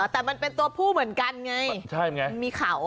แต่มันเป็นตัวผู้เหมือนกันไงมีเขา